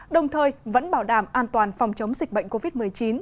đồng thời vẫn bảo đảm an toàn phòng chống dịch bệnh covid một mươi chín